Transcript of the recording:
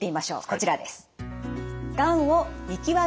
こちらです。